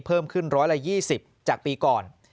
เพิ่มขึ้น๑๒๐จากปีก่อน